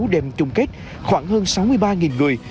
đêm chung kết khoảng hơn sáu mươi ba người